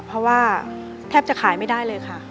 เพราะว่าแทบจะขายไม่ได้เลยค่ะ